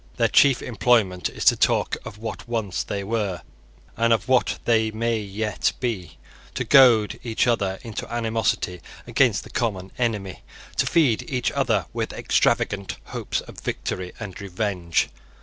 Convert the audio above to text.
Their chief employment is to talk of what they once were, and of what they may yet be, to goad each other into animosity against the common enemy, to feed each other with extravagant hopes of victory and revenge.